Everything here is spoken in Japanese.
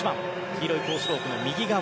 黄色いコースロープの右側。